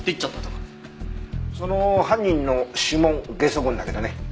その犯人の指紋ゲソ痕だけどね